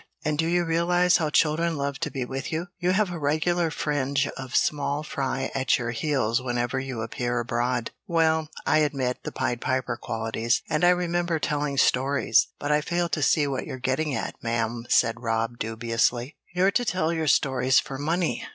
And do you realize how children love to be with you? You have a regular fringe of small fry at your heels whenever you appear abroad." "Well, I admit the Pied Piper qualities, and I remember telling stories, but I fail to see what you're getting at, ma'am," said Rob, dubiously. "You're to tell your stories for money!"